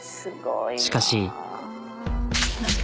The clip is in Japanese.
しかし。